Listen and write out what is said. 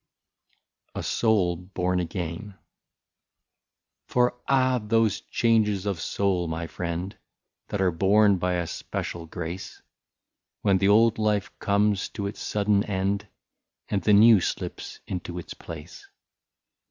6i A SOUL BORN AGAIN. For ah ! those changes of soul, my friend, That are born by a special grace, When the old life comes to its sudden end, And the new slips into its place.